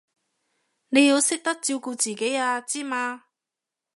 你要識得照顧自己啊，知嘛？